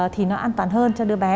thì nó an toàn hơn cho đứa bé